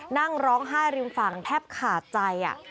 นั่งร้องไห้ริมฝั่งแทบขาดใจ